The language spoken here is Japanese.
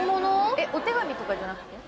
・えっお手紙とかじゃなくて？